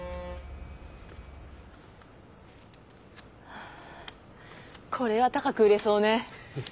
はぁこれは高く売れそうね。